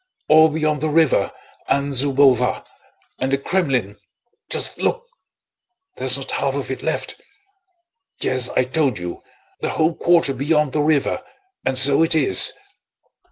"All beyond the river, and Zúbova, and in the Krémlin.... Just look! There's not half of it left. Yes, I told you—the whole quarter beyond the river, and so it is."